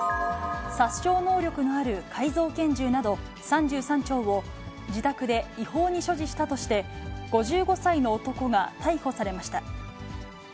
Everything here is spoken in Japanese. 殺傷能力のある改造拳銃など３３丁を自宅で違法に所持したとして、５５歳の男が逮捕されました。